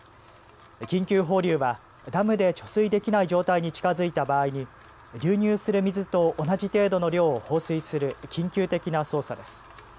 緊急放流はダムで貯水できない状態に近づいた場合に流入する水と同じ程度の量を放水する緊急的な操作です。